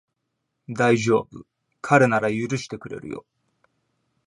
だいじょうぶ、彼なら許してくれるよ